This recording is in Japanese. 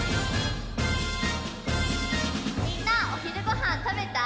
みんなおひるごはんたべた？